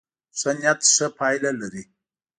ښه نيت ښه پایله لري.